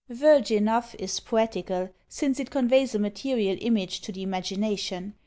"Verge enough" is poetical, since it conveys a material image to the imagination.